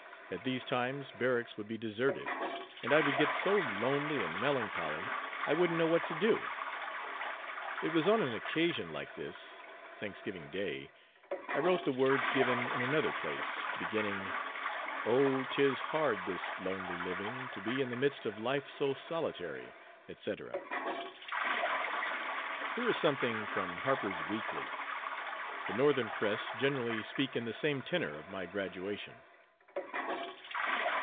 At these times barracks would be deserted and I would get so lonely and melancholy I wouldn't know what to do. It was on an occasion like this Thanksgiving Day I wrote the words given in another place, beginning, "Oh! 'tis hard this lonely living, to be In the midst of life so solitary," etc. Here is something from Harper's Weekly. The northern press generally speak in the same tenor of my graduation.